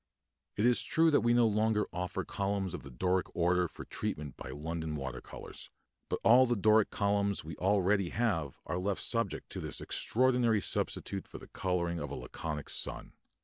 It is true that we no longer offer columns of the Doric order for treatment by London water colours; but all the Doric columns we already have are left subject to this extraordinary substitute for the colouring of a Laconic sun.